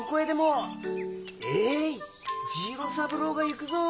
えい次郎三郎が行くぞ！